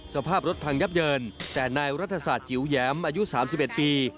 สภาพรถพังยับเยินแต่นายรัฐศาสตร์จิ๋วแหยมอายุสามสิบเอ็ดปี